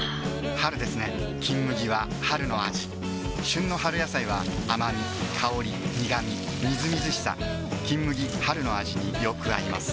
春ですね「金麦」は春の味旬の春野菜は甘み香り苦みみずみずしさ「金麦」春の味によく合います